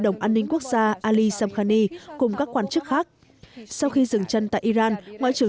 đồng an ninh quốc gia ali sam khani cùng các quan chức khác sau khi dừng chân tại iran ngoại trưởng